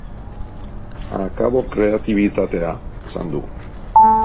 Akabo kreatibitatea, esan du.